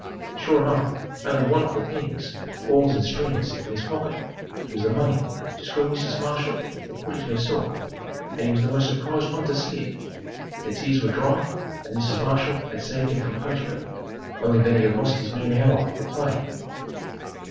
Sure enough, under the wonderful things, balls and strings in his pocket, was the money just where Mrs. Marshall had put it herself and he was the most surprised one to see it. The tears were dried and Mrs. Marshall had saved him from punishment only that he had lost his noon hour for play.